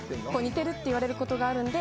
似てるっていわれることがあるんで。